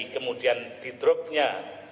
kemudian di dropnya